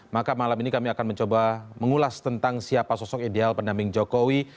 maka malam ini kami akan mencoba mengulas tentang siapa sosok ideal pendamping jokowi